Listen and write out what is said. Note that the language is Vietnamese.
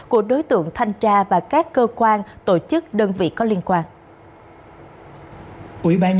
của đối tượng thanh tra và các cơ quan tổ chức đơn vị có liên quan